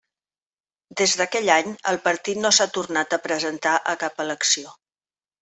Des d'aquell any, el partit no s'ha tornat a presentar a cap elecció.